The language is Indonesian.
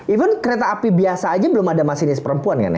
even kereta api biasa aja belum ada masinis perempuan kan ya